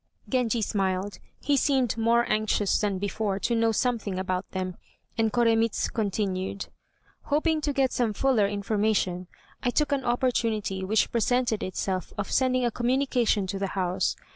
Genji smiled. He seemed more anxious than before to know something about them, and Koremitz continued: "Hoping to get some fuller information, I took an opportunity which presented itself of sending a communication to the house.